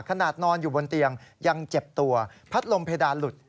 นอนอยู่บนเตียงยังเจ็บตัวพัดลมเพดานหลุด